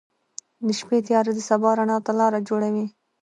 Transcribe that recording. • د شپې تیاره د سبا رڼا ته لاره جوړوي.